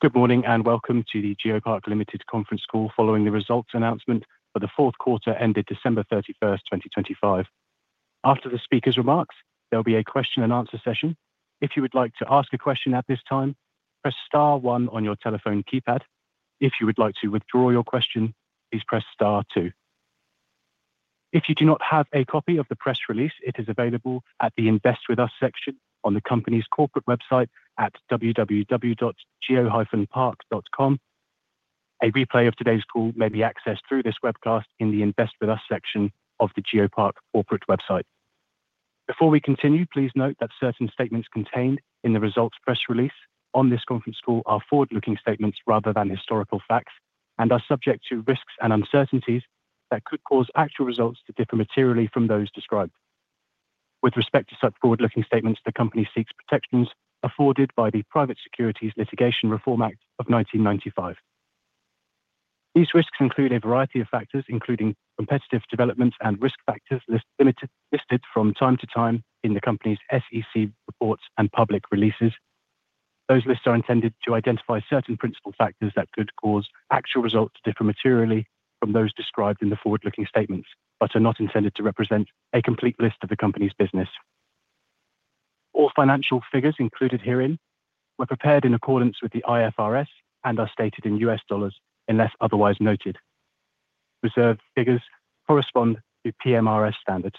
Good morning, welcome to the GeoPark Limited Conference Call, following the results announcement for the fourth quarter ended December 31st, 2025. After the speaker's remarks, there'll be a question and answer session. If you would like to ask a question at this time, press star one on your telephone keypad. If you would like to withdraw your question, please press star two. If you do not have a copy of the press release, it is available at the Invest with Us section on the company's corporate website at www.geopark.com. A replay of today's call may be accessed through this webcast in the Invest with Us section of the GeoPark corporate website. Before we continue, please note that certain statements contained in the results press release on this conference call are forward-looking statements rather than historical facts, are subject to risks and uncertainties that could cause actual results to differ materially from those described. With respect to such forward-looking statements, the company seeks protections afforded by the Private Securities Litigation Reform Act of 1995. These risks include a variety of factors, including competitive developments and risk factors listed from time to time in the company's SEC reports and public releases. Those lists are intended to identify certain principal factors that could cause actual results to differ materially from those described in the forward-looking statements, are not intended to represent a complete list of the company's business. All financial figures included herein were prepared in accordance with the IFRS and are stated in U.S. dollars, unless otherwise noted. Reserved figures correspond to PRMS standards.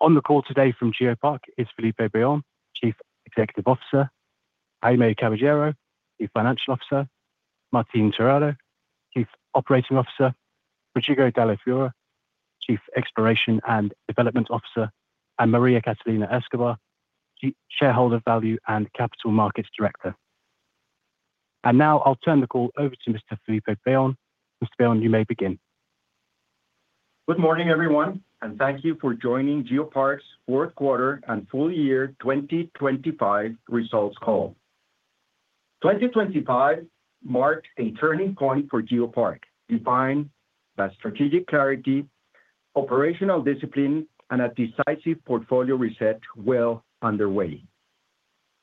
On the call today from GeoPark is Felipe Bayón, Chief Executive Officer, Jaime Caballero, Chief Financial Officer, Martín Terrado, Chief Operating Officer, Rodrigo Dalle Fiore, Chief Exploration and Development Officer, and Maria Catalina Escobar, Chief Shareholder Value and Capital Markets Director. Now I'll turn the call over to Mr. Felipe Bayón. Mr. Bayón, you may begin. Good morning, everyone, and thank you for joining GeoPark's fourth quarter and full year 2025 results call. 2025 marked a turning point for GeoPark, defined by strategic clarity, operational discipline, and a decisive portfolio reset well underway.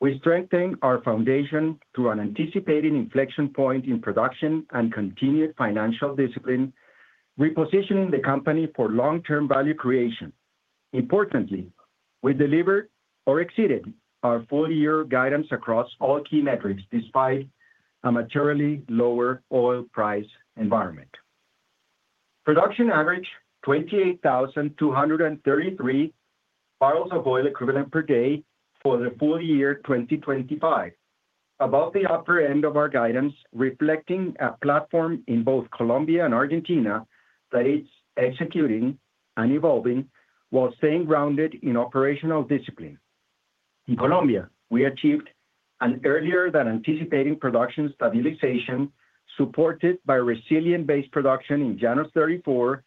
We strengthened our foundation through an anticipated inflection point in production and continued financial discipline, repositioning the company for long-term value creation. Importantly, we delivered or exceeded our full-year guidance across all key metrics, despite a materially lower oil price environment. Production averaged 28,233 boepd for the full year 2025, above the upper end of our guidance, reflecting a platform in both Colombia and Argentina that is executing and evolving while staying grounded in operational discipline. In Colombia, we achieved an earlier than anticipating production stabilization, supported by resilient base production in Llanos 34,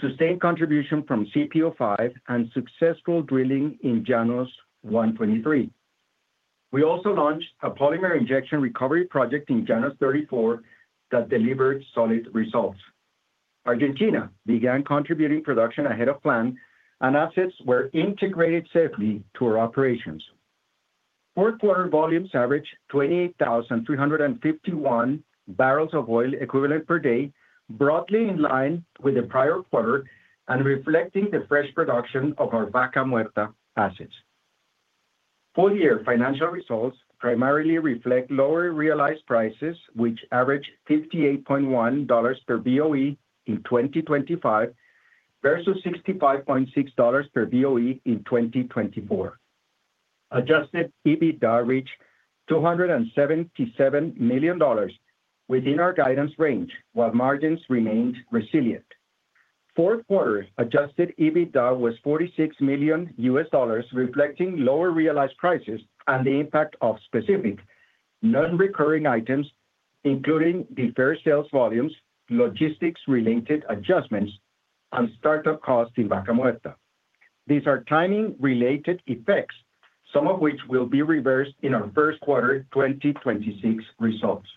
sustained contribution from CPO-5, and successful drilling in Llanos 123. We also launched a polymer injection recovery project in Llanos 34 that delivered solid results. Argentina began contributing production ahead of plan. Assets were integrated safely to our operations. Fourth quarter volumes averaged 28,351 boepd, broadly in line with the prior quarter and reflecting the fresh production of our Vaca Muerta assets. Full-year financial results primarily reflect lower realized prices, which averaged $58.1 per boe in 2025, versus $65.6 per boe in 2024. Adjusted EBITDA reached $277 million within our guidance range, while margins remained resilient. Fourth quarter Adjusted EBITDA was $46 million, reflecting lower realized prices and the impact of specific non-recurring items, including deferred sales volumes, logistics-related adjustments, and startup costs in Vaca Muerta. These are timing-related effects, some of which will be reversed in our first quarter 2026 results.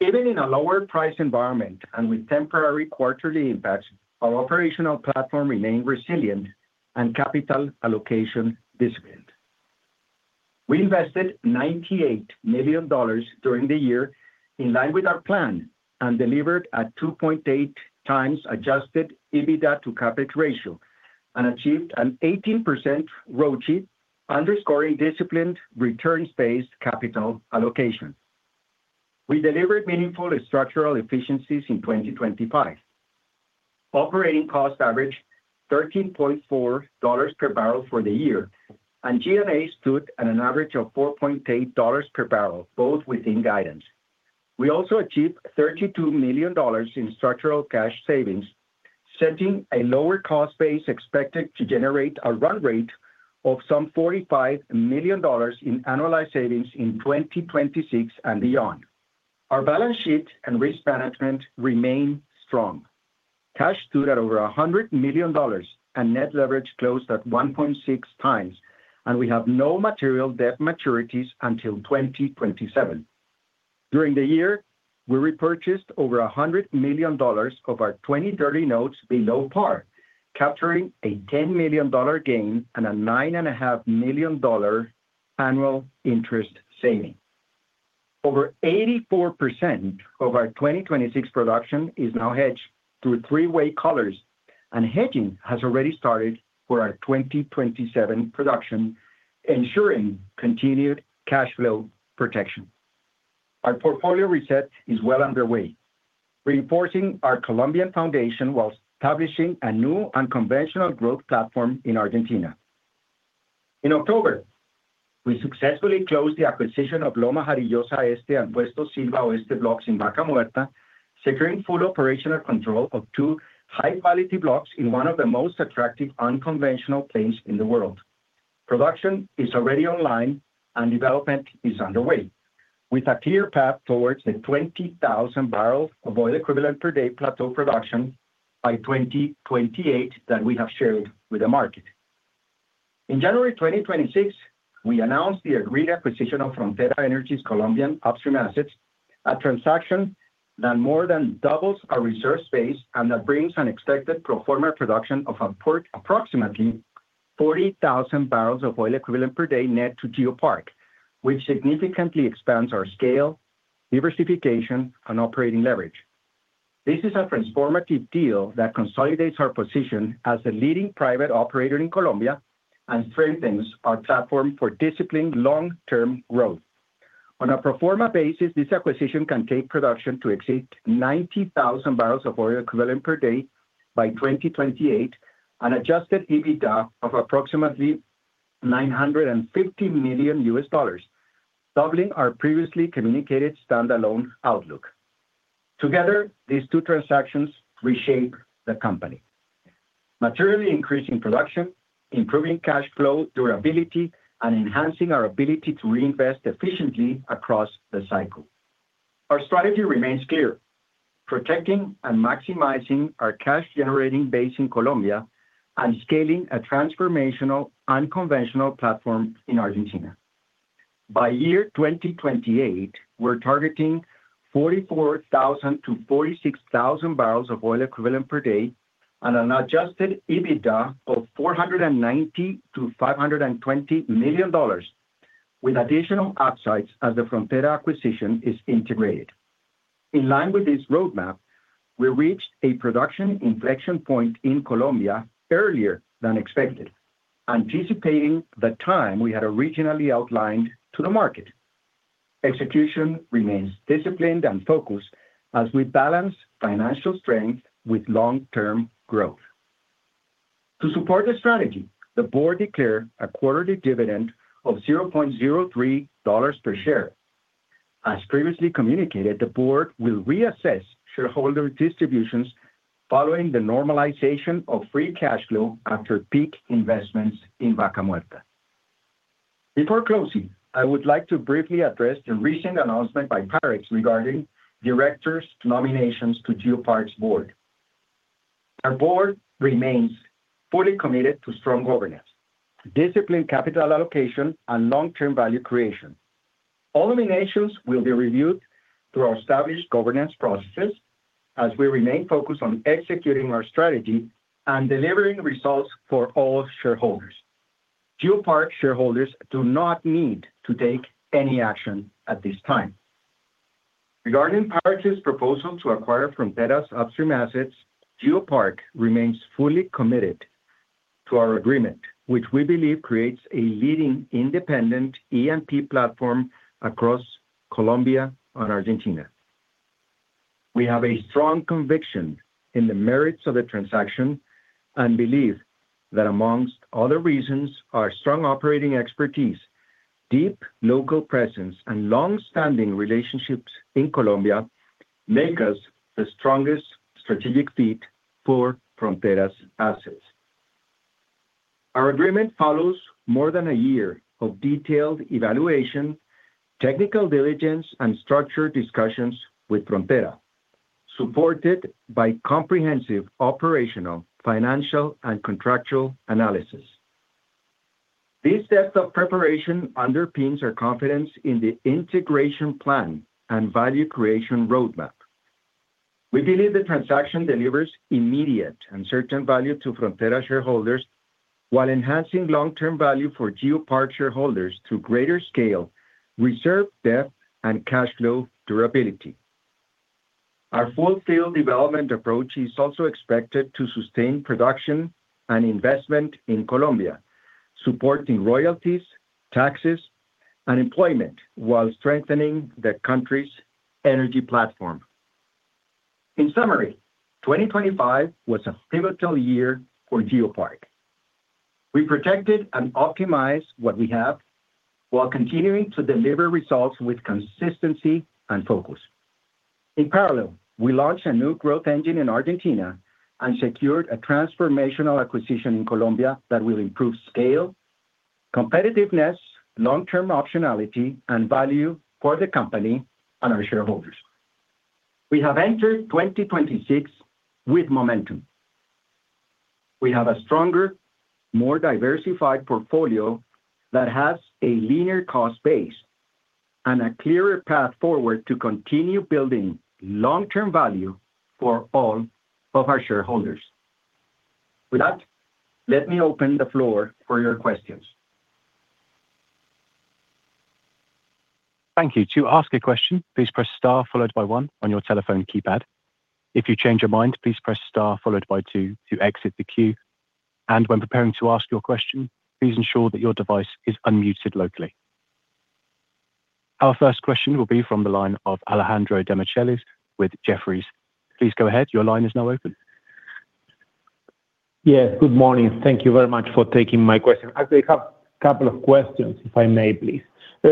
Even in a lower price environment and with temporary quarterly impacts, our operational platform remained resilient and capital allocation disciplined. We invested $98 million during the year in line with our plan and delivered a 2.8x Adjusted EBITDA to CapEx ratio and achieved an 18% ROIC, underscoring disciplined, returns-based capital allocation. We delivered meaningful and structural efficiencies in 2025. Operating costs averaged $13.4 per bbl for the year, and G&A stood at an average of $4.8 per bbl, both within guidance. We also achieved $32 million in structural cash savings, setting a lower cost base expected to generate a run rate of some $45 million in annualized savings in 2026 and beyond. Our balance sheet and risk management remain strong. Cash stood at over $100 million, net leverage closed at 1.6 times, we have no material debt maturities until 2027. During the year, we repurchased over $100 million of our 2030 notes below par, capturing a $10 million gain and a nine and a half million dollar annual interest saving. Over 84% of our 2026 production is now hedged through three-way collars, hedging has already started for our 2027 production, ensuring continued cash flow protection. Our portfolio reset is well underway, reinforcing our Colombian foundation while establishing a new unconventional growth platform in Argentina. In October, we successfully closed the acquisition of Loma Jarillosa Este and Puesto Silva Oeste blocks in Vaca Muerta, securing full operational control of two high-quality blocks in one of the most attractive unconventional plays in the world. Production is already online, and development is underway, with a clear path towards the 20,000 boepd plateau production by 2028 that we have shared with the market. In January 2026, we announced the agreed acquisition of Frontera Energy's Colombian upstream assets, a transaction that more than doubles our reserve base and that brings an expected pro forma production of approximately 40,000 boepd net to GeoPark, which significantly expands our scale, diversification, and operating leverage. This is a transformative deal that consolidates our position as the leading private operator in Colombia and strengthens our platform for disciplined long-term growth. On a pro forma basis, this acquisition can take production to exceed 90,000 boepd by 2028 and Adjusted EBITDA of approximately $950 million, doubling our previously communicated standalone outlook. Together, these two transactions reshape the company, materially increasing production, improving cash flow durability, and enhancing our ability to reinvest efficiently across the cycle. Our strategy remains clear: protecting and maximizing our cash-generating base in Colombia and scaling a transformational unconventional platform in Argentina. By year 2028, we're targeting 44,000 boepd-46,000 boepd on an Adjusted EBITDA of $490 million-$520 million, with additional upsides as the Frontera acquisition is integrated. In line with this roadmap, we reached a production inflection point in Colombia earlier than expected, anticipating the time we had originally outlined to the market. Execution remains disciplined and focused as we balance financial strength with long-term growth. To support the strategy, the board declared a quarterly dividend of $0.03 per share. As previously communicated, the board will reassess shareholder distributions following the normalization of free cash flow after peak investments in Vaca Muerta. Before closing, I would like to briefly address the recent announcement by Parex regarding directors' nominations to GeoPark's board. Our board remains fully committed to strong governance, disciplined capital allocation, and long-term value creation. All nominations will be reviewed through our established governance processes as we remain focused on executing our strategy and delivering results for all shareholders. GeoPark shareholders do not need to take any action at this time. Regarding Parex' proposal to acquire Frontera's upstream assets, GeoPark remains fully committed to our agreement, which we believe creates a leading independent E&P platform across Colombia and Argentina. We have a strong conviction in the merits of the transaction and believe that, amongst other reasons, our strong operating expertise, deep local presence, and long-standing relationships in Colombia make us the strongest strategic fit for Frontera's assets. Our agreement follows more than a year of detailed evaluation, technical diligence, and structured discussions with Frontera, supported by comprehensive operational, financial, and contractual analysis. This depth of preparation underpins our confidence in the integration plan and value creation roadmap. We believe the transaction delivers immediate and certain value to Frontera shareholders while enhancing long-term value for GeoPark shareholders through greater scale, reserve depth, and cash flow durability. Our full-field development approach is also expected to sustain production and investment in Colombia, supporting royalties, taxes, and employment, while strengthening the country's energy platform. In summary, 2025 was a pivotal year for GeoPark. We protected and optimized what we have while continuing to deliver results with consistency and focus. In parallel, we launched a new growth engine in Argentina and secured a transformational acquisition in Colombia that will improve scale, competitiveness, long-term optionality, and value for the company and our shareholders. We have entered 2026 with momentum. We have a stronger, more diversified portfolio that has a linear cost base and a clearer path forward to continue building long-term value for all of our shareholders. With that, let me open the floor for your questions. Thank you. To ask a question, please press star followed by one on your telephone keypad. If you change your mind, please press star followed by two to exit the queue, and when preparing to ask your question, please ensure that your device is unmuted locally. Our first question will be from the line of Alejandro Demichelis with Jefferies. Please go ahead. Your line is now open. Yes, good morning. Thank you very much for taking my question. I actually have a couple of questions, if I may, please.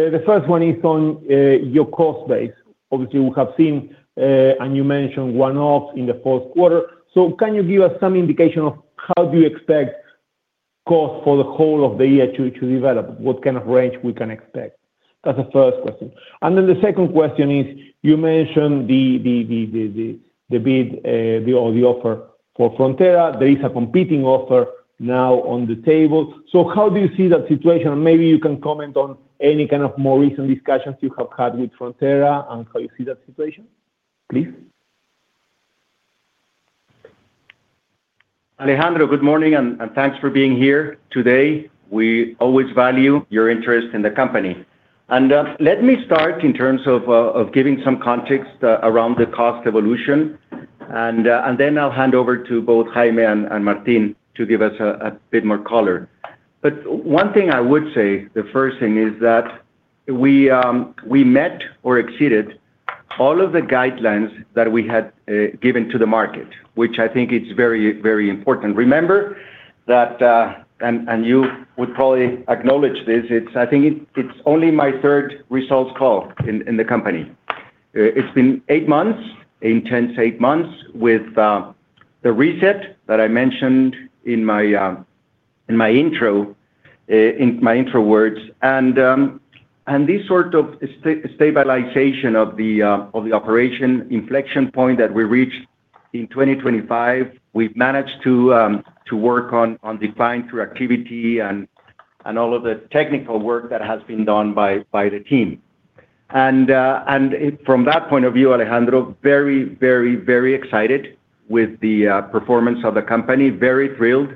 The first one is on your cost base. Obviously, we have seen, and you mentioned one-offs in the fourth quarter. Can you give us some indication of how do you expect cost for the whole of the year to develop? What kind of range we can expect? That's the first question. The second question is, you mentioned the bid, the or the offer for Frontera. There is a competing offer now on the table. How do you see that situation? Maybe you can comment on any kind of more recent discussions you have had with Frontera and how you see that situation, please. Alejandro, good morning, and thanks for being here today. We always value your interest in the company. Let me start in terms of giving some context around the cost evolution, and then I'll hand over to both Jaime and Martín to give us a bit more color. One thing I would say, the first thing is that we met or exceeded all of the guidelines that we had given to the market, which I think it's very, very important. Remember that, and you would probably acknowledge this, I think it's only my third results call in the company. It's been eight months, intense eight months, with the reset that I mentioned in my intro words. This sort of stabilization of the operation inflection point that we reached in 2025, we've managed to work on decline through activity and all of the technical work that has been done by the team. From that point of view, Alejandro, very excited with the performance of the company, very thrilled.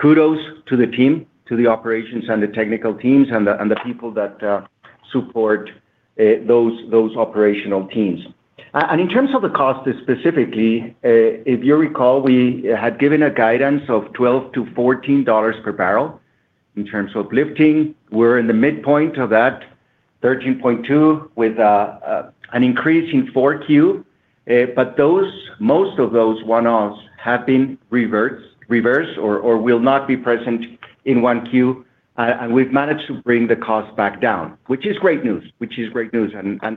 Kudos to the team, to the operations and the technical teams, and the people that support those operational teams. In terms of the cost specifically, if you recall, we had given a guidance of $12-$14 per bbl in terms of lifting. We're in the midpoint of that, $13.2, with an increase in 4Q. Those, most of those one-offs have been reversed or will not be present in 1Q, and we've managed to bring the cost back down, which is great news.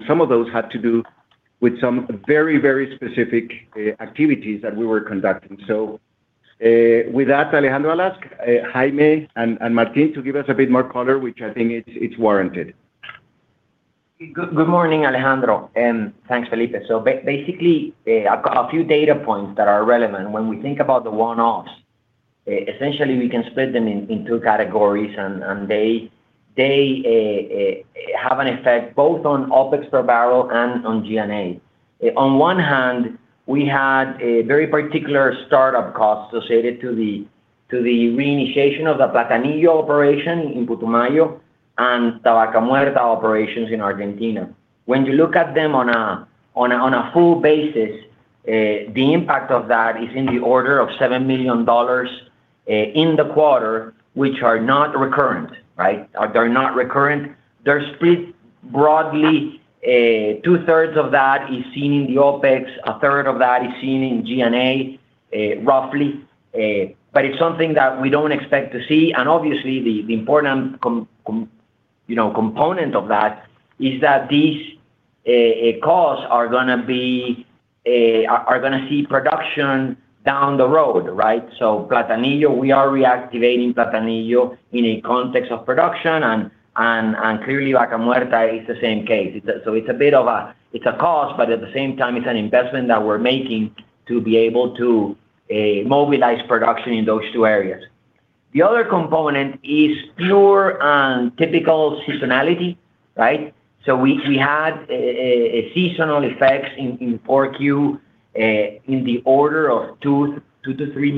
Some of those had to do with some very, very specific activities that we were conducting. With that, Alejandro, I'll ask Jaime and Martín to give us a bit more color, which I think it's warranted. Good morning, Alejandro, and thanks, Felipe. Basically, a few data points that are relevant. When we think about the one-offs, essentially we can split them in two categories, and they have an effect both on OpEx per bbl and on G&A. On one hand, we had a very particular startup cost associated to the reinitiation of the Platanillo operation in Putumayo and the Vaca Muerta operations in Argentina. When you look at them on a full basis, the impact of that is in the order of $7 million in the quarter, which are not recurrent, right? They're not recurrent. They're split broadly, two-thirds of that is seen in the OpEx, a third of that is seen in G&A, roughly. But it's something that we don't expect to see. Obviously the important component of that is that these costs are gonna be, are gonna see production down the road, right? Platanillo, we are reactivating Platanillo in a context of production, and clearly Vaca Muerta is the same case. It's a bit of a cost, but at the same time, it's an investment that we're making to be able to mobilize production in those two areas. The other component is pure and typical seasonality, right? We had a seasonal effects in 4Q in the order of $2 million-$3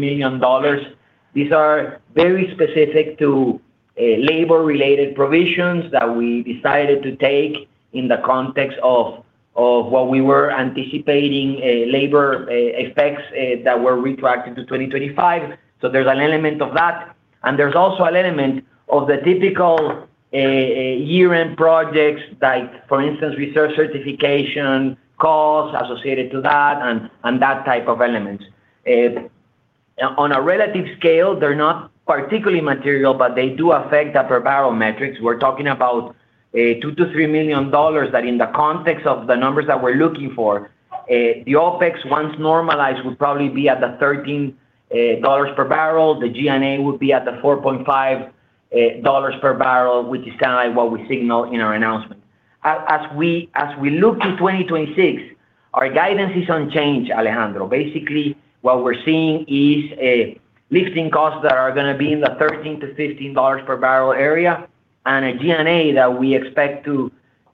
million. These are very specific to labor-related provisions that we decided to take in the context of what we were anticipating labor effects that were retracted to 2025. There's an element of that, and there's also an element of the typical year-end projects, like, for instance, research certification, costs associated to that and that type of element. On a relative scale, they're not particularly material, but they do affect the per-bbl metrics. We're talking about $2 million-$3 million that in the context of the numbers that we're looking for, the OpEx, once normalized, would probably be at the $13 per bbl. The G&A would be at the $4.5 per bbl, which is kinda like what we signaled in our announcement. As we look to 2026, our guidance is unchanged, Alejandro. Basically, what we're seeing is a lifting costs that are gonna be in the $13-$15 per bbl area, and a G&A that we expect to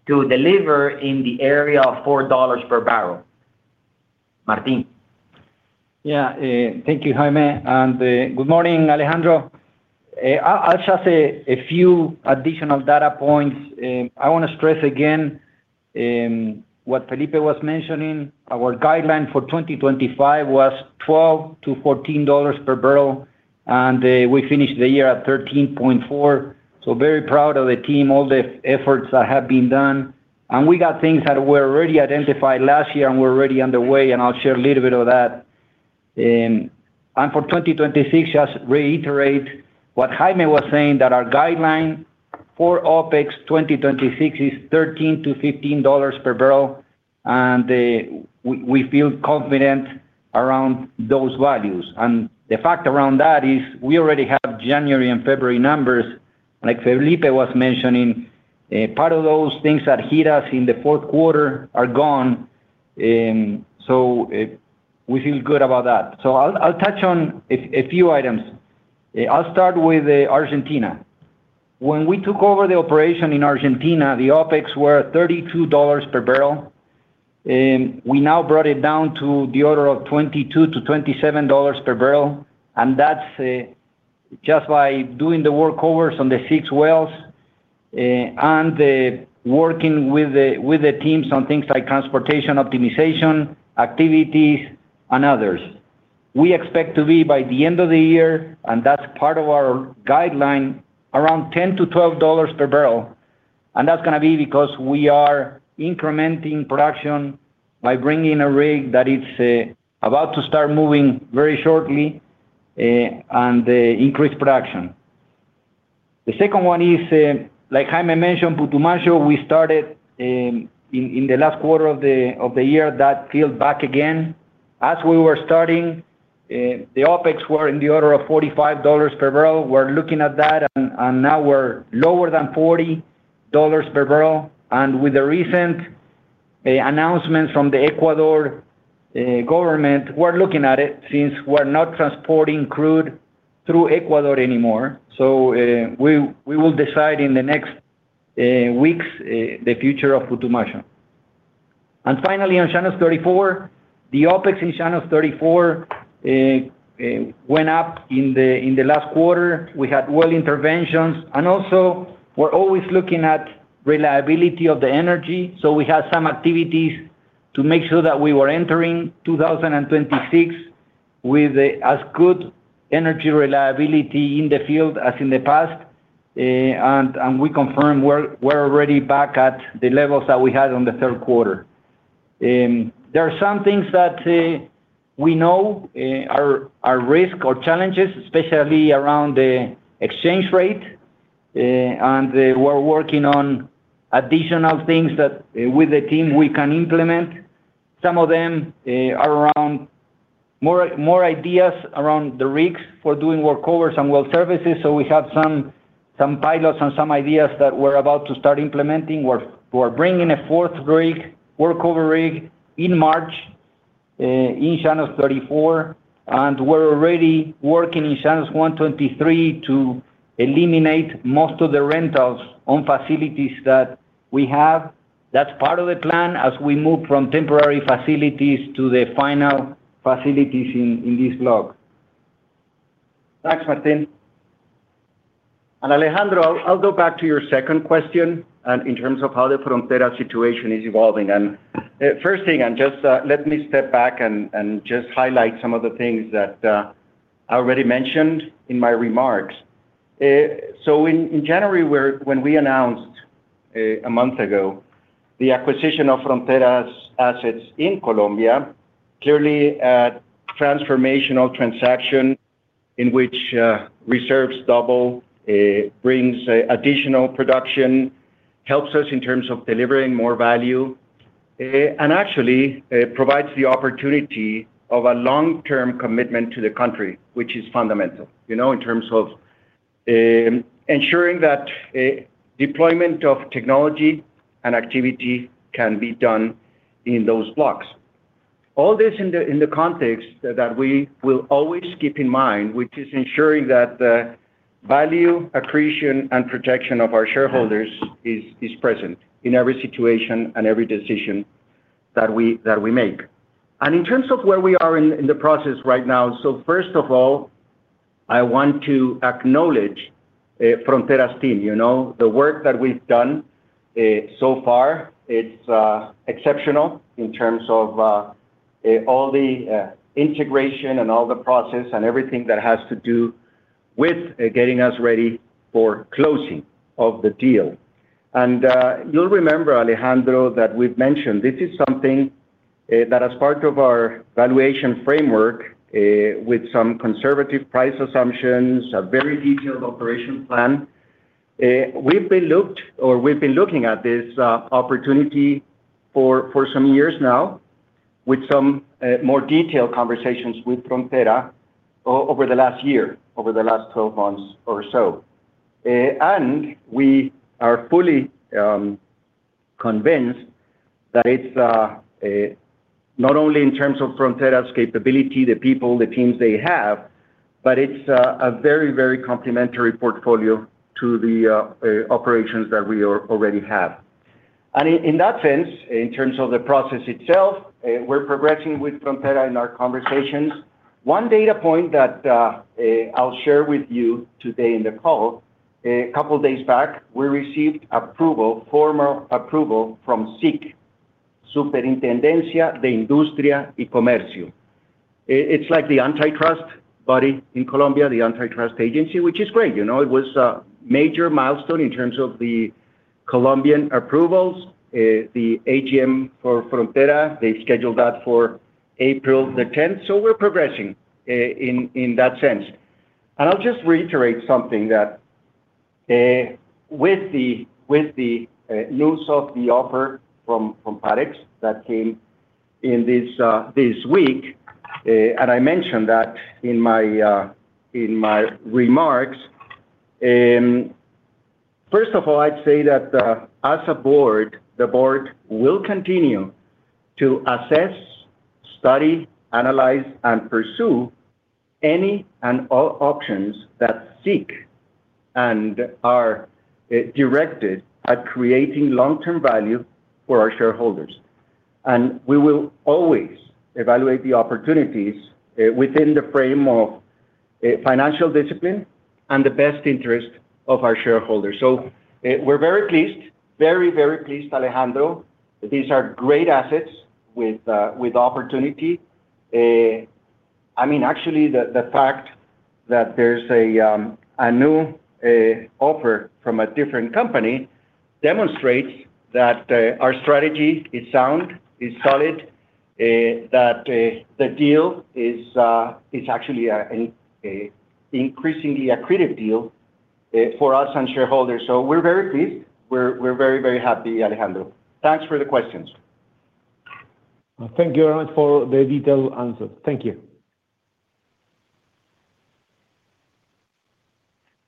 deliver in the area of $4 per bbl. Martín? Yeah, thank you, Jaime, and good morning, Alejandro. I'll just say a few additional data points. I wanna stress again in what Felipe was mentioning. Our guideline for 2025 was $12-$14 per bbl, and we finished the year at 13.4. Very proud of the team, all the efforts that have been done. We got things that were already identified last year and we're already underway, and I'll share a little bit of that. For 2026, just to reiterate what Jaime was saying, that our guideline for OpEx 2026 is $13-$15 per bbl, and we feel confident around those values. The fact around that is we already have January and February numbers. Like Felipe was mentioning, part of those things that hit us in the fourth quarter are gone. We feel good about that. I'll touch on a few items. I'll start with Argentina. When we took over the operation in Argentina, the OpEx were $32 per bbl. We now brought it down to the order of $22-$27 per bbl, and that's just by doing the workovers on the six wells, and working with the teams on things like transportation, optimization, activities, and others. We expect to be, by the end of the year, and that's part of our guideline, around $10-$12 per bbl. That's gonna be because we are incrementing production by bringing a rig that is about to start moving very shortly, and increase production. The second one is like Jaime mentioned, Putumayo, we started in the last quarter of the year, that field back again. As we were starting, the OpEx were in the order of $45 per bbl. We're looking at that, now we're lower than $40 per bbl. With the recent announcement from the Ecuador government, we're looking at it since we're not transporting crude through Ecuador anymore. We will decide in the next weeks the future of Putumayo. Finally, on Llanos 34, the OpEx in Llanos 34 went up in the last quarter. We had well interventions, and also we're always looking at reliability of the energy, so we had some activities to make sure that we were entering 2026 with as good energy reliability in the field as in the past. We confirm we're already back at the levels that we had on the third quarter. There are some things that we know are risk or challenges, especially around the exchange rate, and we're working on additional things that with the team we can implement. Some of them are around more ideas around the rigs for doing workovers and well services, so we have some pilots and some ideas that we're about to start implementing. We're bringing a 4th rig, workover rig, in March, in Llanos 34, and we're already working in Llanos 123 to eliminate most of the rentals on facilities that we have. That's part of the plan as we move from temporary facilities to the final facilities in these blocks. Thanks, Martín. Alejandro, I'll go back to your second question, and in terms of how the Frontera situation is evolving. First thing, and just let me step back and just highlight some of the things that I already mentioned in my remarks. In January, when we announced a month ago, the acquisition of Frontera's assets in Colombia, clearly a transformational transaction in which reserves double, brings additional production, helps us in terms of delivering more value, and actually, provides the opportunity of a long-term commitment to the country, which is fundamental, you know, in terms of ensuring that deployment of technology and activity can be done in those blocks. All this in the context that we will always keep in mind, which is ensuring that the value, accretion, and protection of our shareholders is present in every situation and every decision that we make. In terms of where we are in the process right now, first of all, I want to acknowledge Frontera's team, you know. The work that we've done so far, it's exceptional in terms of all the integration and all the process and everything that has to do with getting us ready for closing of the deal. You'll remember, Alejandro, that we've mentioned this is something that as part of our valuation framework, with some conservative price assumptions, a very detailed operation plan, we've been looking at this opportunity for some years now. With some more detailed conversations with Frontera over the last year, over the last 12 months or so. We are fully convinced that it's not only in terms of Frontera's capability, the people, the teams they have, but it's a very, very complimentary portfolio to the operations that we already have. In, in that sense, in terms of the process itself, we're progressing with Frontera in our conversations. One data point that I'll share with you today in the call, a couple days back, we received approval, formal approval from SIC, Superintendencia de Industria y Comercio. It's like the antitrust body in Colombia, the antitrust agency, which is great, you know? It was a major milestone in terms of the Colombian approvals. The AGM for Frontera, they've scheduled that for April 10. We're progressing in that sense. I'll just reiterate something that with the news of the offer from Parex that came in this week, and I mentioned that in my remarks. First of all, I'd say that, as a board, the board will continue to assess, study, analyze, and pursue any and all options that seek and are directed at creating long-term value for our shareholders. We will always evaluate the opportunities, within the frame of financial discipline and the best interest of our shareholders. We're very pleased, very, very pleased, Alejandro, these are great assets with opportunity. I mean, actually, the fact that there's a new offer from a different company demonstrates that our strategy is sound, is solid, that the deal is actually an increasingly accretive deal for us and shareholders. We're very pleased. We're very, very happy, Alejandro. Thanks for the questions. Thank you very much for the detailed answer. Thank you.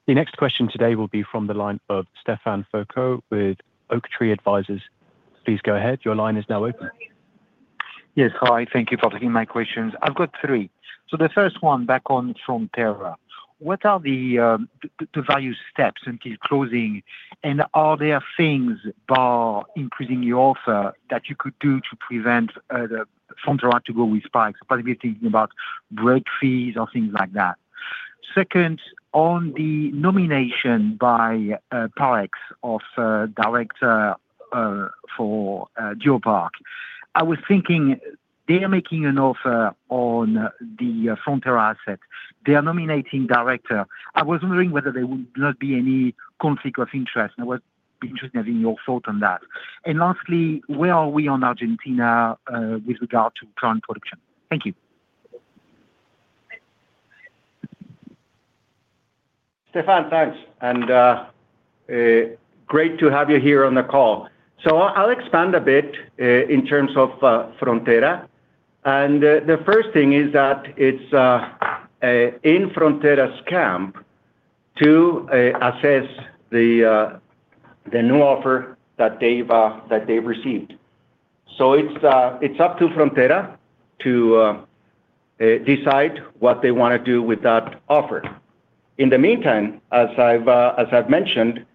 The next question today will be from the line of Stephane Foucaud with Auctus Advisors. Please go ahead. Your line is now open. Yes. Hi, thank you for taking my questions. I've got three. The first one, back on Frontera. What are the value steps until closing? Are there things bar increasing the offer that you could do to prevent the Frontera to go with Parex, probably be thinking about break fees or things like that. Second, on the nomination by Parex of director for GeoPark, I was thinking they are making an offer on the Frontera asset. They are nominating director. I was wondering whether there would not be any conflict of interest, and I would be interested in having your thought on that. Lastly, where are we on Argentina with regard to current production? Thank you. Stephane, thanks, great to have you here on the call. I'll expand a bit in terms of Frontera. The first thing is that it's in Frontera's camp to assess the new offer that they've received. It's up to Frontera to decide what they wanna do with that offer. In the meantime, as I've mentioned,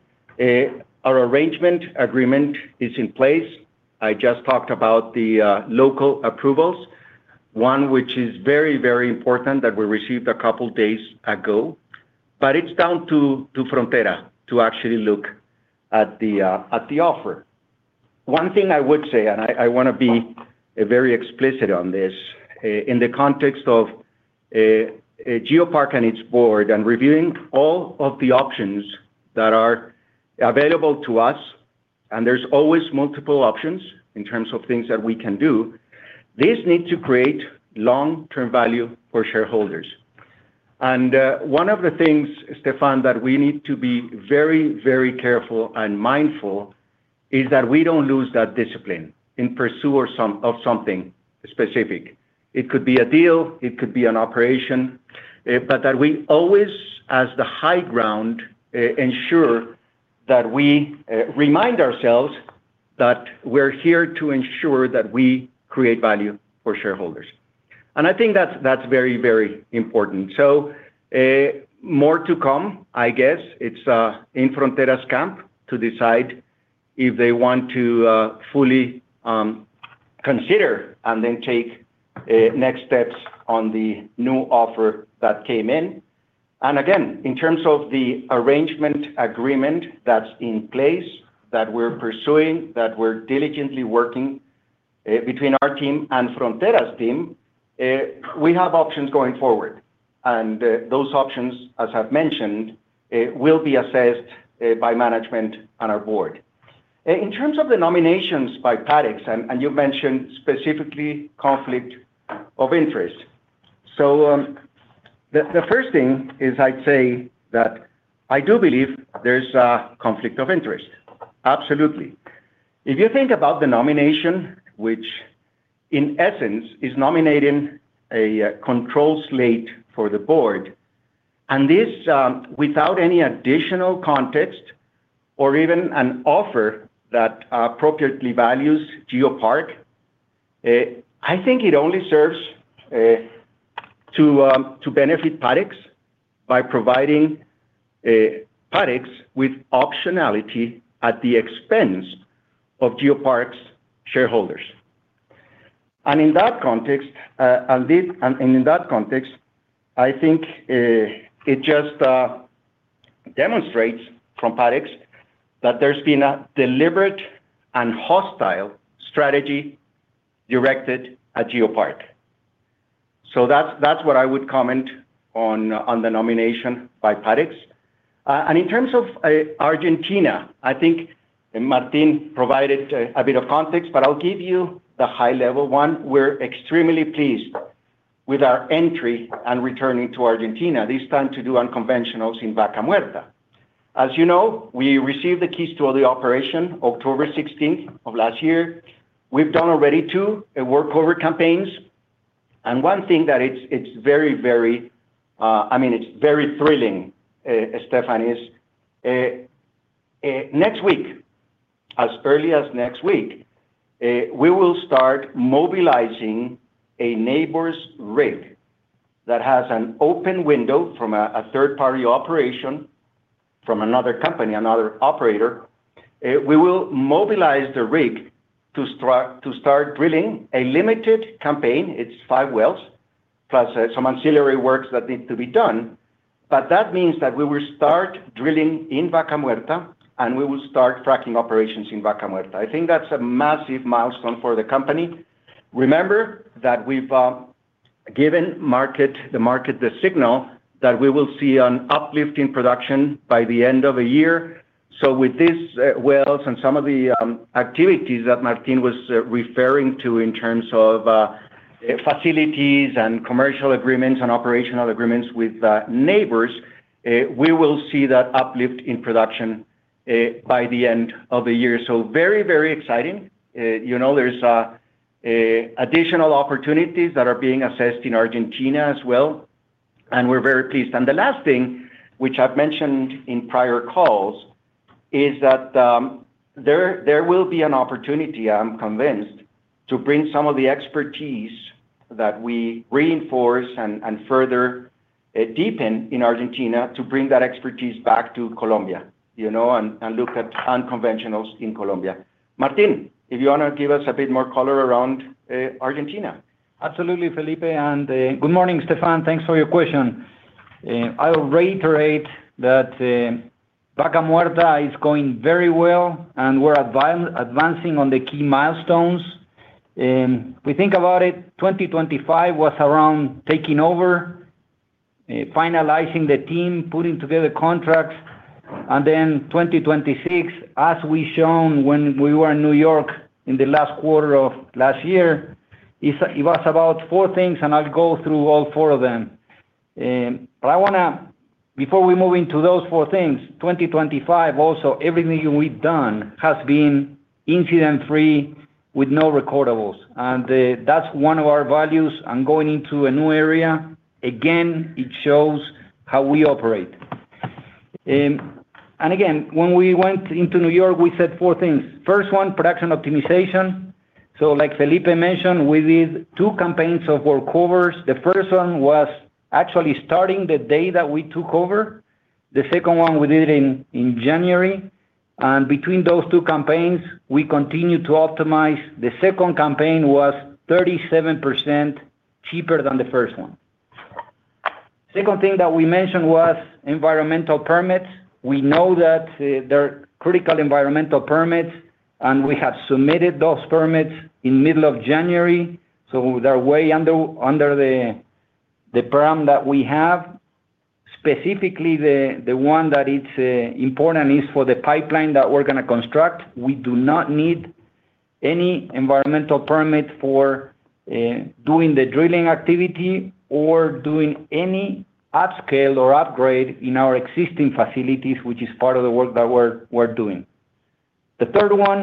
our arrangement agreement is in place. I just talked about the local approvals, one which is very, very important that we received a couple days ago, but it's down to Frontera to actually look at the offer. One thing I would say, and I wanna be very explicit on this, in the context of GeoPark and its board and reviewing all of the options that are available to us, and there's always multiple options in terms of things that we can do, this need to create long-term value for shareholders. One of the things, Stephane, that we need to be very careful and mindful is that we don't lose that discipline in pursue of something specific. It could be a deal, it could be an operation, but that we always, as the high ground, ensure that we remind ourselves that we're here to ensure that we create value for shareholders. I think that's very important. More to come, I guess. It's in Frontera's camp to decide if they want to fully consider and then take next steps on the new offer that came in. Again, in terms of the arrangement agreement that's in place, that we're pursuing, that we're diligently working between our team and Frontera's team, we have options going forward, and those options, as I've mentioned, will be assessed by management and our board. In terms of the nominations by Parex, and you've mentioned specifically conflict of interest. The first thing is I'd say that I do believe there's a conflict of interest. Absolutely. If you think about the nomination, which in essence is nominating a control slate for the board, and this without any additional context or even an offer that appropriately values GeoPark, I think it only serves to benefit Parex by providing Parex with optionality at the expense of GeoPark's shareholders. In that context, and in that context, I think it just demonstrates from Parex that there's been a deliberate and hostile strategy directed at GeoPark. That's what I would comment on the nomination by Parex. In terms of Argentina, I think and Martín provided a bit of context, but I'll give you the high level one. We're extremely pleased with our entry and returning to Argentina, this time to do unconventionals in Vaca Muerta. As you know, we received the keys to all the operation October 16th of last year. We've done already two workover campaigns, and one thing that it's very, very, I mean, it's very thrilling, Stephane, is, next week, as early as next week, we will start mobilizing a Nabors rig that has an open window from a third party operation from another company, another operator. We will mobilize the rig to start drilling a limited campaign. It's five wells, plus, some ancillary works that need to be done. That means that we will start drilling in Vaca Muerta, and we will start tracking operations in Vaca Muerta. I think that's a massive milestone for the company. Remember that we've given the market, the signal that we will see an uplift in production by the end of the year. With these wells and some of the activities that Martín was referring to in terms of facilities and commercial agreements and operational agreements with Nabors, we will see that uplift in production by the end of the year. Very, very exciting. You know, there's additional opportunities that are being assessed in Argentina as well, and we're very pleased. The last thing, which I've mentioned in prior calls, is that there will be an opportunity, I'm convinced, to bring some of the expertise that we reinforce and further deepen in Argentina to bring that expertise back to Colombia, you know, and look at unconventionals in Colombia. Martín, if you want to give us a bit more color around, Argentina. Absolutely, Felipe. Good morning, Stephane. Thanks for your question. I'll reiterate that Vaca Muerta is going very well, and we're advancing on the key milestones. We think about it, 2025 was around taking over, finalizing the team, putting together contracts, and then 2026, as we've shown when we were in New York in the last quarter of last year, it's, it was about four things, and I'll go through all four of them. Before we move into those four things, 2025, also, everything we've done has been incident-free with no recordables. That's one of our values, and going into a new area, again, it shows how we operate. Again, when we went into New York, we said four things. First one, production optimization. Like Felipe mentioned, we did two campaigns of workovers. The first one was actually starting the day that we took over. The second one we did in January. Between those two campaigns, we continued to optimize. The second campaign was 37% cheaper than the first one. Second thing that we mentioned was environmental permits. We know that there are critical environmental permits, and we have submitted those permits in middle of January, so they're way under the perm that we have. Specifically, the one that it's important is for the pipeline that we're going to construct. We do not need any environmental permit for doing the drilling activity or doing any upscale or upgrade in our existing facilities, which is part of the work that we're doing. The third one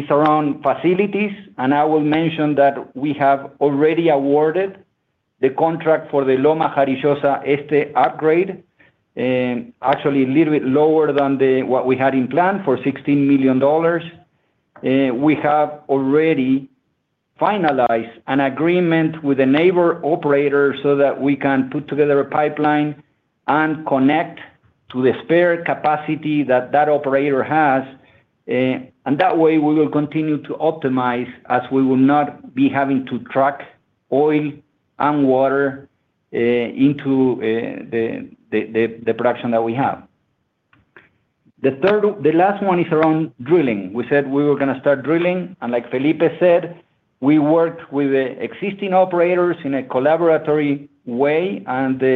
is around facilities. I will mention that we have already awarded the contract for the Loma Jarillosa Este upgrade, actually a little bit lower than the, what we had in plan for $16 million. We have already finalized an agreement with a Nabor operator so that we can put together a pipeline and connect to the spare capacity that that operator has, and that way, we will continue to optimize, as we will not be having to track oil and water into the production that we have. The last one is around drilling. We said we were going to start drilling. Like Felipe said, we worked with the existing operators in a collaboratory way,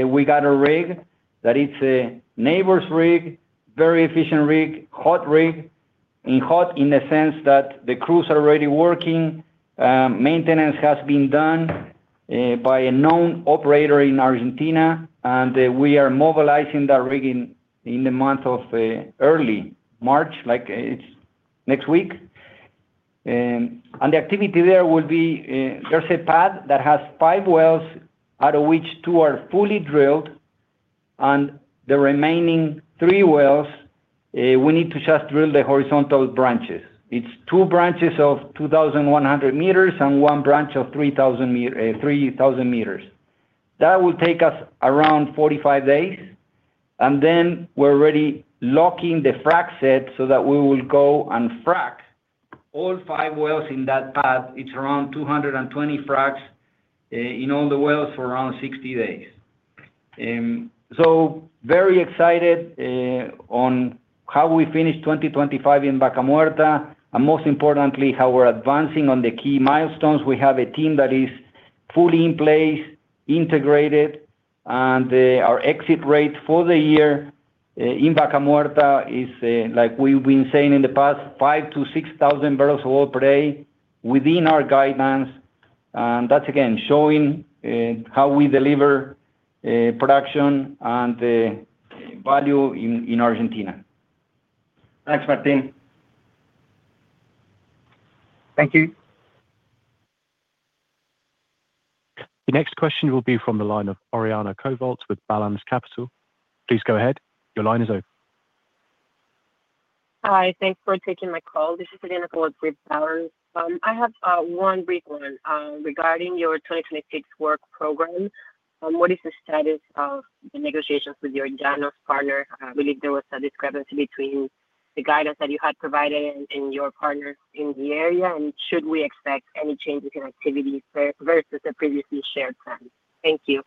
we got a rig that is a Nabors rig, very efficient rig, hot rig. in hot, in the sense that the crews are already working, maintenance has been done by a known operator in Argentina, we are mobilizing the rigging in the month of early March, like it's next week. The activity there will be, there's a pad that has five wells, out of which two are fully drilled, and the remaining three wells, we need to just drill the horizontal branches. It's two branches of 2,100 meters and one branch of 3,000 meters. That will take us around 45 days, then we're already locking the frac set so that we will go and frac all five wells in that pad. It's around 220 fracks in all the wells for around 60 days. Very excited on how we finish 2025 in Vaca Muerta, and most importantly, how we're advancing on the key milestones. We have a team that is fully in place, integrated, and our exit rate for the year in Vaca Muerta is like we've been saying in the past, 5,000-6,000 boepd within our guidelines. That's again, showing how we deliver production and the value in Argentina. Thanks, Martín. Thank you. The next question will be from the line of Oriana Covault with Balanz Capital. Please go ahead. Your line is open. Hi, thanks for taking my call. This is Oriana Covault with Balanz. I have one brief one regarding your 2026 work program. What is the status of the negotiations with your Llanos partner? I believe there was a discrepancy between the guidance that you had provided and your partner in the area. Should we expect any changes in activities versus the previously shared plan? Thank you.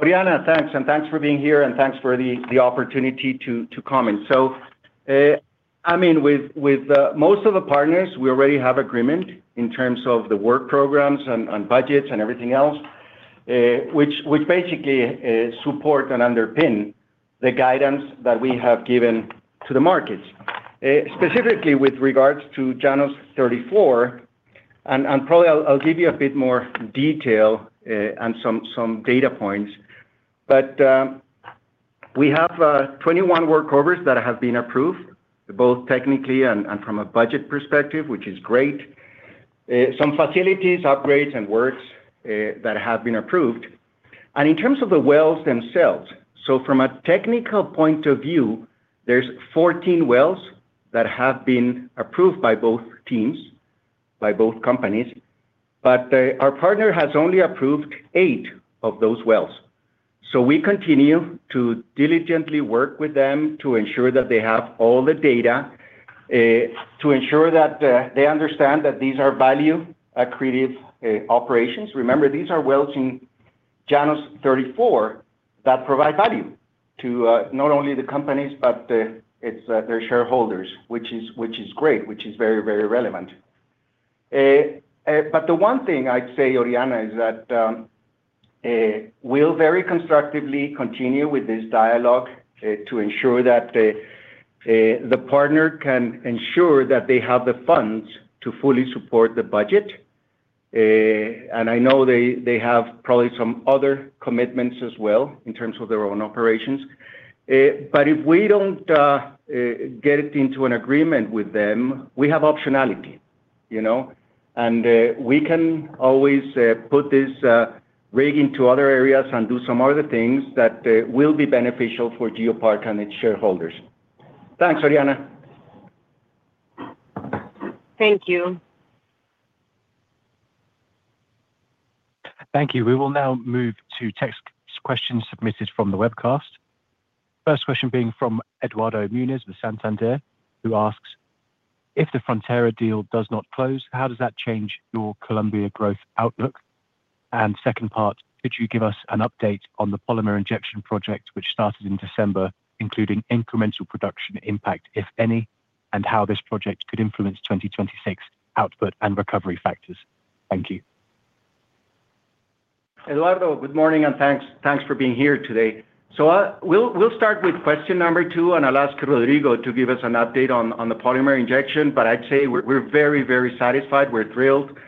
Oriana, thanks, and thanks for being here, and thanks for the opportunity to comment. I mean with most of the partners, we already have agreement in terms of the work programs and budgets and everything else, which basically, support and underpin the guidance that we have given to the markets. Specifically with regards to Llanos 34, and probably I'll give you a bit more detail, and some data points, but, we have 21 workovers that have been approved, both technically and from a budget perspective, which is great. Some facilities, upgrades, and works, that have been approved. In terms of the wells themselves, from a technical point of view, there's 14 wells that have been approved by both teams, by both companies, but our partner has only approved 8 of those wells. We continue to diligently work with them to ensure that they have all the data to ensure that they understand that these are value accretive operations. Remember, these are wells in Llanos 34 that provide value to not only the companies, but it's their shareholders, which is, which is great, which is very, very relevant. The one thing I'd say, Oriana, is that we'll very constructively continue with this dialogue to ensure that the partner can ensure that they have the funds to fully support the budget. I know they have probably some other commitments as well in terms of their own operations. If we don't get into an agreement with them, we have optionality, you know? We can always put this rig into other areas and do some other things that will be beneficial for GeoPark and its shareholders. Thanks, Oriana. Thank you. Thank you. We will now move to text questions submitted from the webcast. First question being from Eduardo Muniz with Santander, who asks: If the Frontera deal does not close, how does that change your Colombia growth outlook? Second part, could you give us an update on the polymer injection project, which started in December, including incremental production impact, if any, and how this project could influence 2026 output and recovery factors? Thank you. Eduardo, good morning, and thanks for being here today. We'll start with question number two, and I'll ask Rodrigo to give us an update on the polymer injection, but I'd say we're very, very satisfied. We're thrilled.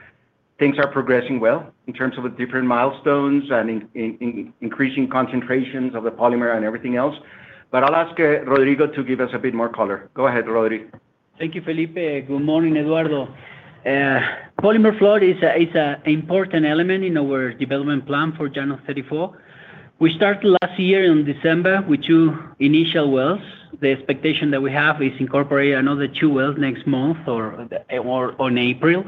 Things are progressing well in terms of the different milestones and in increasing concentrations of the polymer and everything else. I'll ask Rodrigo to give us a bit more color. Go ahead, Roddy. Thank you, Felipe. Good morning, Eduardo. Polymer flood is a important element in our development plan for Llanos 34. We started last year in December with two initial wells. The expectation that we have is incorporate another two wells next month or April.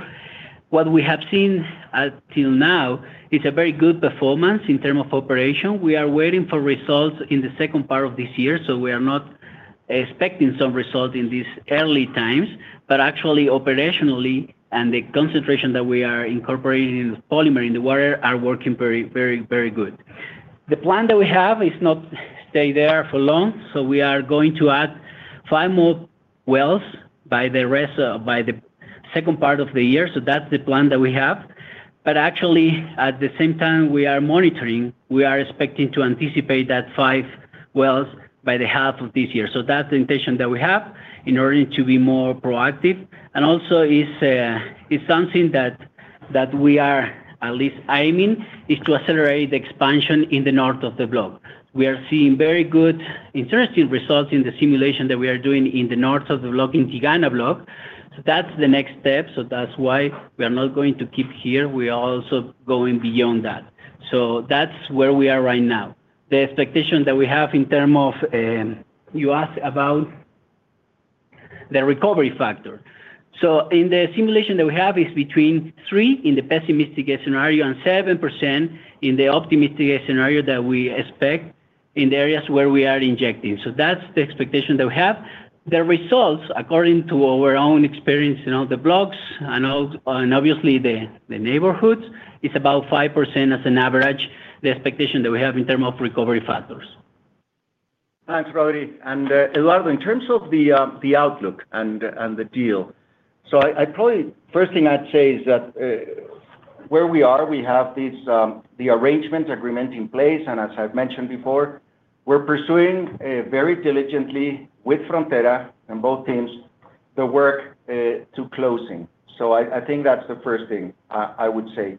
What we have seen until now is a very good performance in term of operation. We are waiting for results in the second part of this year. We are not expecting some results in these early times, but actually, operationally, and the concentration that we are incorporating in the polymer, in the water, are working very good. The plan that we have is not stay there for long. We are going to add five more wells by the rest, by the second part of the year. That's the plan that we have. Actually, at the same time we are monitoring, we are expecting to anticipate that five wells by the half of this year. That's the intention that we have in order to be more proactive. Also, it's something that we are at least aiming, is to accelerate the expansion in the north of the block. We are seeing very good interesting results in the simulation that we are doing in the north of the block, in Tigana block. That's the next step, that's why we are not going to keep here, we are also going beyond that. That's where we are right now. The expectation that we have in term of, you asked about the recovery factor. In the simulation that we have, is between three in the pessimistic scenario and 7% in the optimistic scenario that we expect in the areas where we are injecting. That's the expectation that we have. The results, according to our own experience in all the blocks and obviously, the neighborhoods, is about 5% as an average, the expectation that we have in term of recovery factors. Thanks, Roddy. A lot of in terms of the outlook and the deal. First thing I'd say is that where we are, we have these the arrangement agreement in place, and as I've mentioned before, we're pursuing very diligently with Frontera and both teams, the work to closing. I think that's the first thing I would say.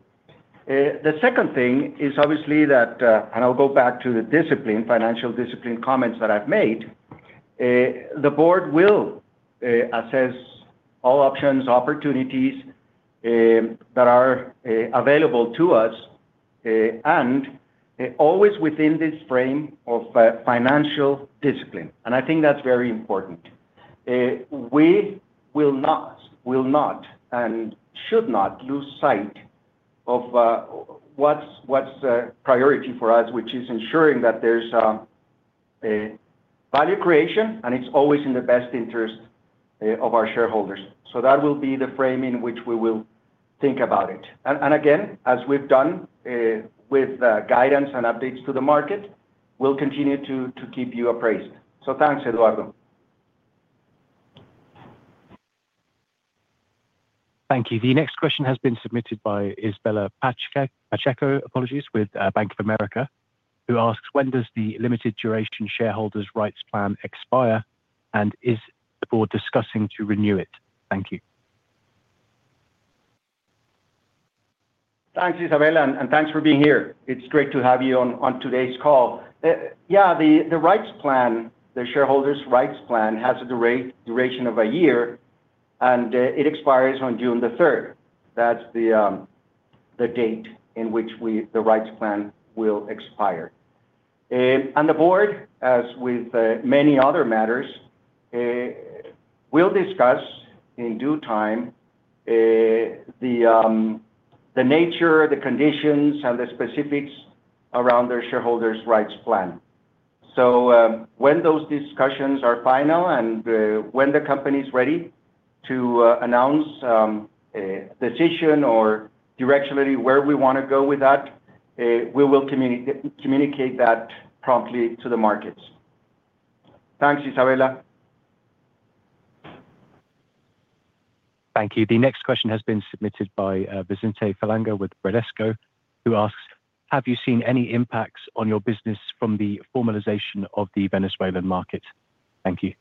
The second thing is obviously that, and I'll go back to the discipline, financial discipline comments that I've made. The board will assess all options, opportunities that are available to us, and always within this frame of financial discipline. I think that's very important. We will not and should not lose sight of what's the priority for us, which is ensuring that there's a value creation, and it's always in the best interest of our shareholders. That will be the frame in which we will think about it. Again, as we've done, with guidance and updates to the market, we'll continue to keep you appraised. Thanks, Eduardo. Thank you. The next question has been submitted by Isabella Pacheco, apologies, with Bank of America, who asks: When does the limited duration shareholders rights plan expire, and is the board discussing to renew it? Thank you. Thanks, Isabella, and thanks for being here. It's great to have you on today's call. Yeah, the rights plan, the shareholders rights plan, has a duration of a year, and it expires on June the third. That's the date in which the rights plan will expire. The board, as with many other matters, will discuss in due time the nature, the conditions, and the specifics around the shareholders rights plan. When those discussions are final and when the company is ready to announce a decision or directionally, where we wanna go with that, we will communicate that promptly to the markets. Thanks, Isabella. Thank you. The next question has been submitted by Vicente Falanga with Bradesco, who asks: Have you seen any impacts on your business from the formalization of the Venezuelan market? Thank you.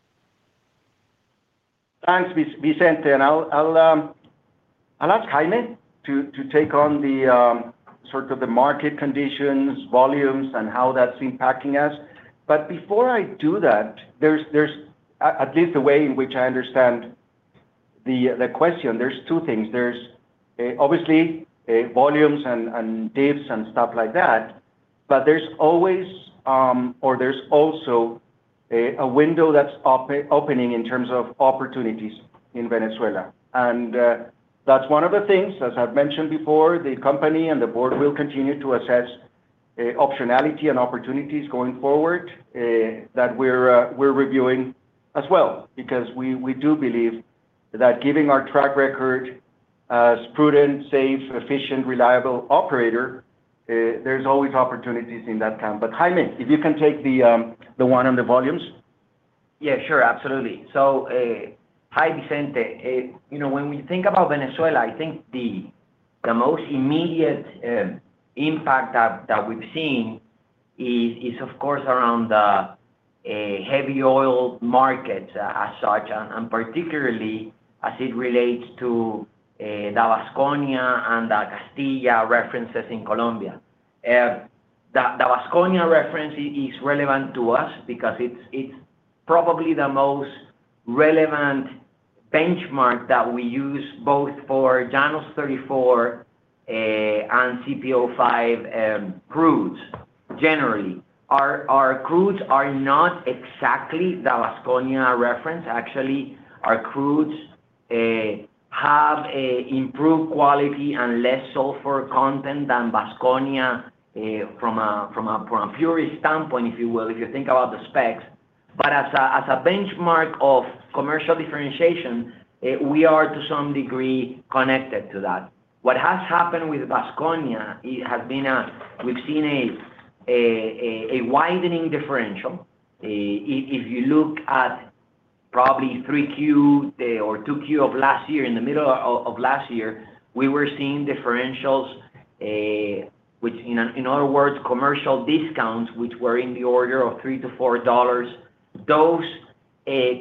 Thanks, Vicente. I'll ask Jaime to take on the sort of the market conditions, volumes, and how that's impacting us. Before I do that, there's at least the way in which I understand the question, there's two things. There's obviously volumes and dips, and stuff like that, but there's always or there's also a window that's opening in terms of opportunities in Venezuela. That's one of the things, as I've mentioned before, the company and the board will continue to assess optionality and opportunities going forward that we're reviewing as well, because we do believe that giving our track record as prudent, safe, efficient, reliable operator, there's always opportunities in that count. Jaime, if you can take the one on the volumes. Yeah, sure. Absolutely. Hi, Vicente. you know, when we think about Venezuela, I think the most immediate, impact that we've seen is of course, around the, heavy oil market, as such, and particularly as it relates to, the Vasconia and the Castilla references in Colombia. The, the Vasconia reference is relevant to us because it's probably the most relevant benchmark that we use, both for Llanos 34, and CPO-5, crudes. Generally, our crudes are not exactly the Vasconia reference. Actually, our crudes, have a improved quality and less sulfur content than Vasconia, from a purity standpoint, if you will, if you think about the specs. As a, as a benchmark of commercial differentiation, we are to some degree, connected to that. What has happened with Vasconia, it has been a widening differential. If you look at probably 3Q or 2Q of last year, in the middle of last year, we were seeing differentials, which in other words, commercial discounts, which were in the order of $3-$4. Those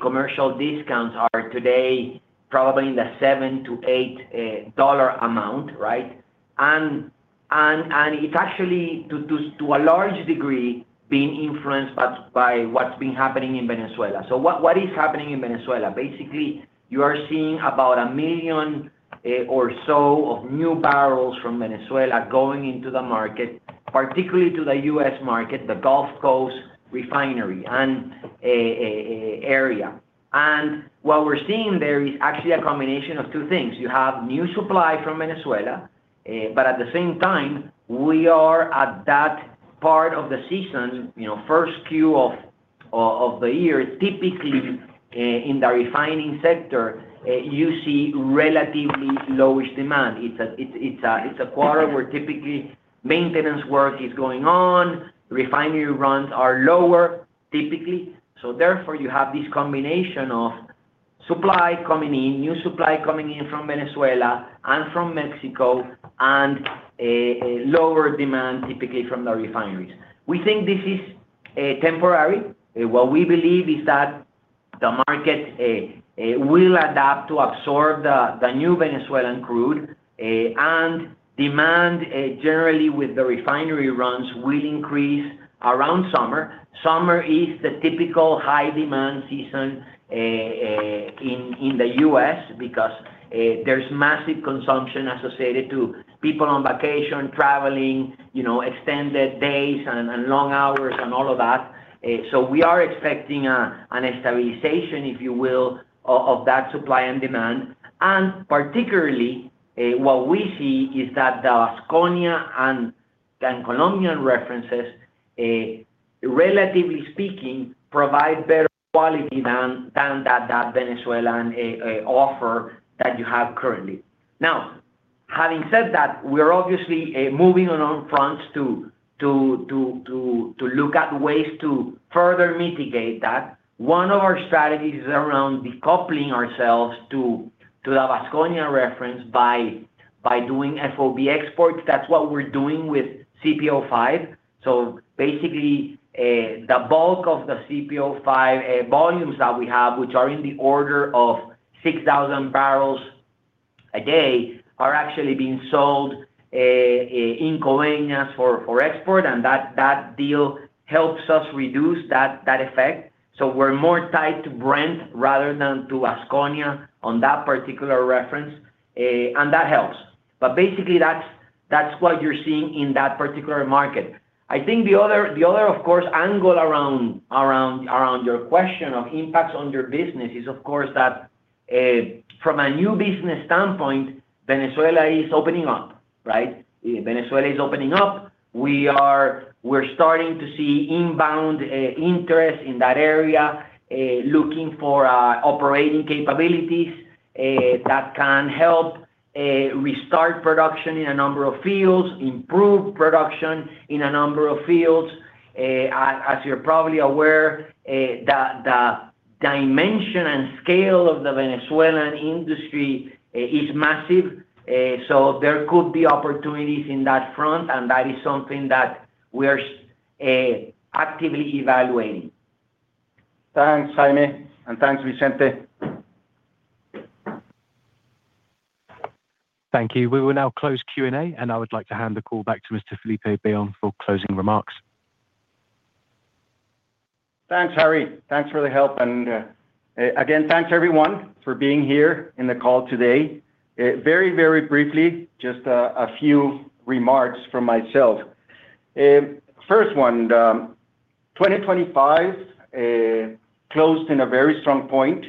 commercial discounts are today probably in the $7-$8 amount, right? It's actually to a large degree, being influenced by what's been happening in Venezuela. What is happening in Venezuela? Basically, you are seeing about one million or so of new barrels from Venezuela going into the market, particularly to the U.S. market, the Gulf Coast refinery and a area. What we're seeing there is actually a combination of two things. You have new supply from Venezuela, but at the same time, we are at that part of the season, you know, first Q of the year, typically, in the refining sector, you see relatively lowish demand. It's a quarter where typically maintenance work is going on, refinery runs are lower, typically. Therefore, you have this combination of supply coming in, new supply coming in from Venezuela and from Mexico, and a lower demand, typically from the refineries. We think this is temporary. What we believe is that the market will adapt to absorb the new Venezuelan crude, and demand generally with the refinery runs, will increase around summer. Summer is the typical high demand season in the U.S. because there's massive consumption associated to people on vacation, traveling, you know, extended days and long hours and all of that. So we are expecting an stabilization, if you will, of that supply and demand. Particularly, what we see is that the Vasconia and the Colombian references, relatively speaking, provide better quality than that Venezuelan offer that you have currently. Having said that, we are obviously moving on all fronts to look at ways to further mitigate that. One of our strategies is around decoupling ourselves to the Vasconia reference by doing FOB exports. That's what we're doing with CPO-5. Basically, the bulk of the CPO-5 volumes that we have, which are in the order of 6,000 bbl a day, are actually being sold in Coveñas for export, and that deal helps us reduce that effect. We're more tied to Brent rather than to Vasconia on that particular reference, and that helps. Basically, that's what you're seeing in that particular market. I think the other, of course, angle around your question of impacts on your business is, of course, that from a new business standpoint, Venezuela is opening up, right? Venezuela is opening up. We're starting to see inbound interest in that area, looking for operating capabilities that can help restart production in a number of fields, improve production in a number of fields. As you're probably aware, the dimension and scale of the Venezuelan industry is massive, so there could be opportunities in that front, and that is something that we are actively evaluating. Thanks, Jaime, and thanks, Vicente. Thank you. We will now close Q&A, and I would like to hand the call back to Mr. Felipe Bayón for closing remarks. Thanks, Harry. Thanks for the help, again, thanks everyone for being here in the call today. Very, very briefly, just a few remarks from myself. First one, 2025 closed in a very strong point.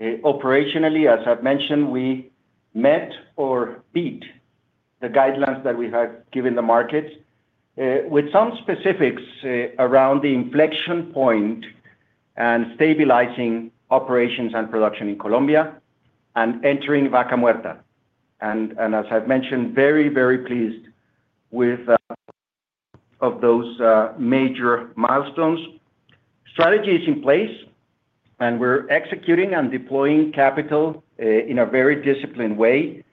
Operationally, as I've mentioned, we met or beat the guidelines that we had given the market with some specifics around the inflection point and stabilizing operations and production in Colombia and entering Vaca Muerta. As I've mentioned, very, very pleased with of those major milestones. Strategy is in place, and we're executing and deploying capital in a very disciplined way,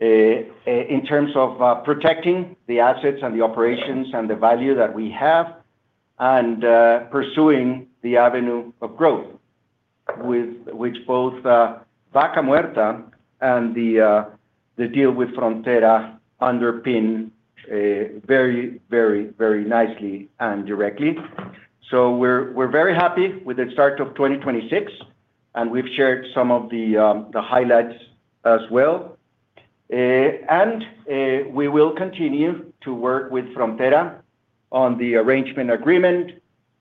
in terms of protecting the assets and the operations and the value that we have, and pursuing the avenue of growth, with which both Vaca Muerta and the deal with Frontera underpin very, very, very nicely and directly. We're very happy with the start of 2026, and we've shared some of the highlights as well. We will continue to work with Frontera on the arrangement agreement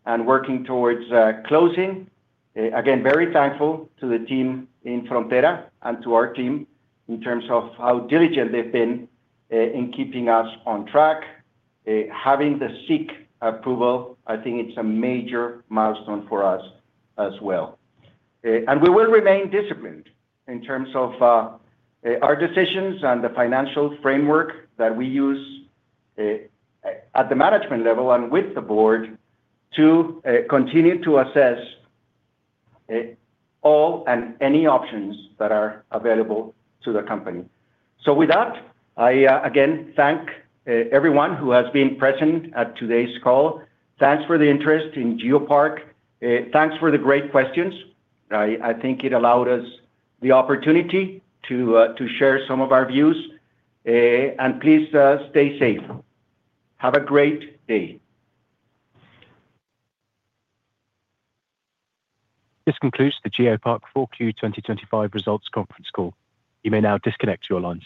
and working towards closing. Again, very thankful to the team in Frontera and to our team in terms of how diligent they've been in keeping us on track. Having the SIC approval, I think it's a major milestone for us as well. We will remain disciplined in terms of our decisions and the financial framework that we use at the management level and with the board, to continue to assess all and any options that are available to the company. With that, I again, thank everyone who has been present at today's call. Thanks for the interest in GeoPark. Thanks for the great questions. I think it allowed us the opportunity to share some of our views. Please stay safe. Have a great day! This concludes the GeoPark 4Q 2025 results conference call. You may now disconnect your lines.